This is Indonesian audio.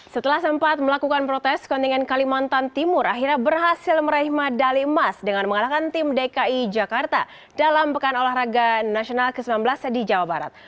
setelah sempat melakukan protes kontingen kalimantan timur akhirnya berhasil meraih medali emas dengan mengalahkan tim dki jakarta dalam pekan olahraga nasional ke sembilan belas di jawa barat